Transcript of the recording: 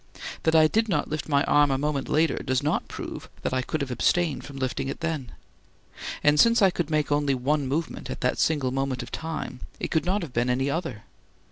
That I did not lift my arm a moment later does not prove that I could have abstained from lifting it then. And since I could make only one movement at that single moment of time, it could not have been any other.